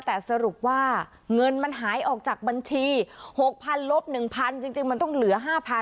แต่สรุปว่าเงินมันหายออกจากบัญชี๖๐๐๐ลบ๑๐๐จริงมันต้องเหลือ๕๐๐๐